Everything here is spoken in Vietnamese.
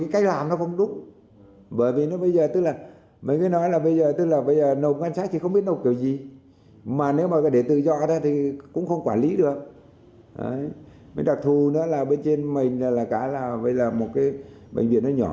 cũng không quản lý được đặc thù nữa là bên trên mình là một bệnh viện nhỏ